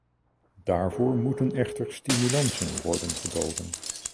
Daarvoor moeten echter stimulansen worden geboden.